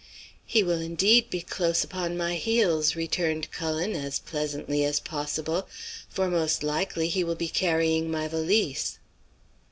"'He will indeed be close upon my heels,' returned Cullen as pleasantly as possible, 'for most likely he will be carrying my valise.'